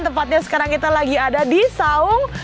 tepatnya sekarang kita lagi ada di saung